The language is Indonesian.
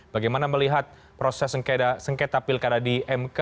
bagaimana melihat proses sengketa pilkada di mk